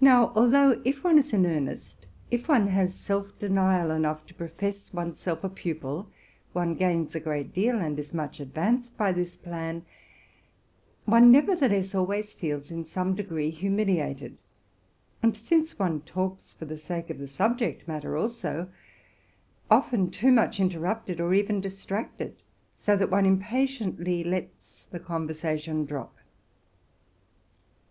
Now, although, if one is in earnest, —if one has self deni:! enough to profess one's self a pupil, one gains a great deal, and is much advanced by this plan, —one nevertheless always feels in some degree humiliated, and, since one talks for the s oe of the subject matter also, often too much interrupted, even distracted, so that one impatiently lets the conv a drop.